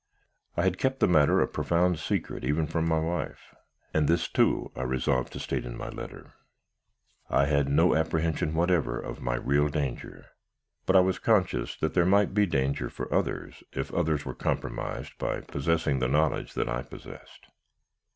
I had kept the matter a profound secret even from my wife; and this, too, I resolved to state in my letter. I had no apprehension whatever of my real danger; but I was conscious that there might be danger for others, if others were compromised by possessing the knowledge that I possessed.